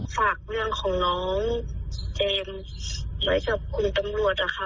ฝากเรื่องของน้องเจมส์ไว้กับคุณตำรวจอะค่ะ